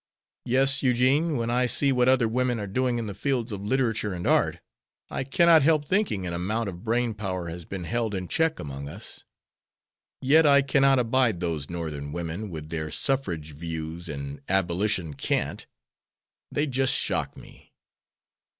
"Yes, Eugene, when I see what other women are doing in the fields of literature and art, I cannot help thinking an amount of brain power has been held in check among us. Yet I cannot abide those Northern women, with their suffrage views and abolition cant. They just shock me."